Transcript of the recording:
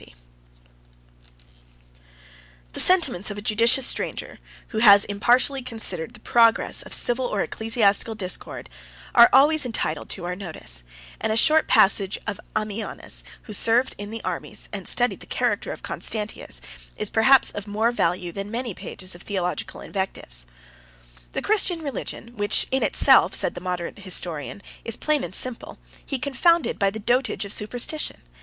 ] The sentiments of a judicious stranger, who has impartially considered the progress of civil or ecclesiastical discord, are always entitled to our notice; and a short passage of Ammianus, who served in the armies, and studied the character of Constantius, is perhaps of more value than many pages of theological invectives. "The Christian religion, which, in itself," says that moderate historian, "is plain and simple, he confounded by the dotage of superstition.